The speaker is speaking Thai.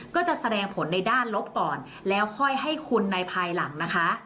ก็จะแสดงผลในด้านลบก่อนแล้วค่อยให้คุณในภายหลังนะคะ